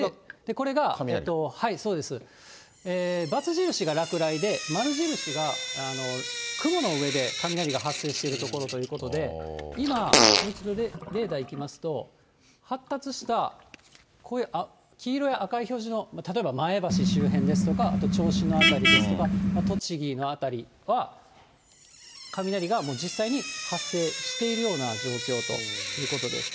×印が落雷で、丸印が雲の上で雷が発生している所ということで、今、もう一度レーダーいきますと、発達した黄色や赤い表示の例えば前橋周辺ですとか、あと銚子の辺りですとか、栃木の辺りは雷が実際に発生しているような状況ということです。